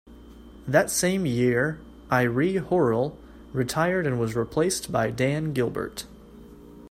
That same year, Irie Horrall retired and was replaced by Dan Gilbert.